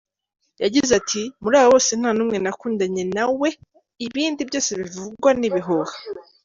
Yagize ati “ muri aba bose ntanumwe nakundanye nawe ibindi byose bivugwa n’ ibihuha “.